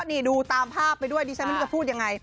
นี่ดูตามภาพไปด้วยดิฉันไม่รู้จะพูดยังไง